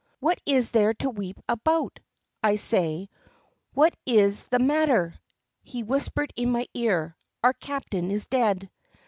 "What is there to weep about? I say, what is the matter?" He whispered in my ear, "Our captain is dead."